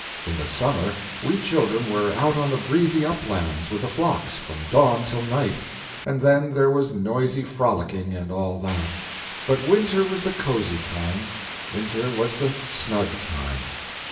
In the summer we children were out on the breezy uplands with the flocks from dawn till night, and then there was noisy frolicking and all that; but winter was the cozy time, winter was the snug time.